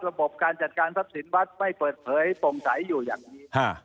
ระบบการจัดการทรัพย์สินวัดไม่เปิดเผยโปร่งใสอยู่อย่างนี้